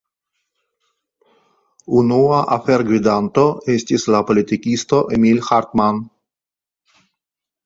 Unua afergvidanto estis la politikisto Emil Hartmann.